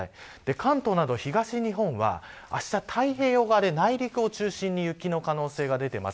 関東など東日本は、あした太平洋側で内陸を中心に雪の可能性が出ています。